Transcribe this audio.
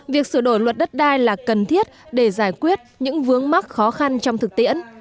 việc sửa đổi luật đất đai là cần thiết để giải quyết những vướng mắc khó khăn trong thực tiễn